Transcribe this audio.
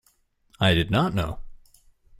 I did not know.